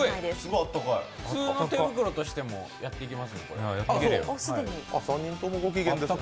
普通の手袋としてもやっていけますね。